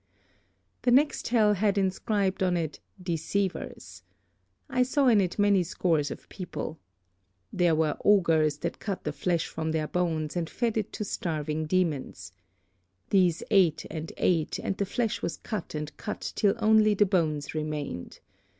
"The next hell had inscribed on it, 'Deceivers.' I saw in it many scores of people. There were ogres that cut the flesh from their bodies, and fed it to starving demons. These ate and ate, and the flesh was cut and cut till only the bones remained.